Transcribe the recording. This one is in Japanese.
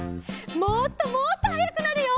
もっともっとはやくなるよ。